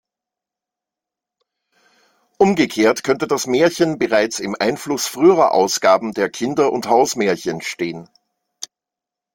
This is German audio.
Umgekehrt könnte das Märchen bereits im Einfluss früherer Ausgaben der "Kinder- und Hausmärchen" stehen.